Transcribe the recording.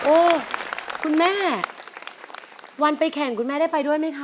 คุณแม่วันไปแข่งคุณแม่ได้ไปด้วยไหมคะ